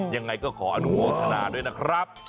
ยังไงก็ขออนุโมทนาด้วยนะครับ